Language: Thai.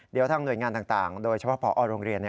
เดี๋ยวทางหน่วยงานต่างโดยเฉพาะพอโรงเรียน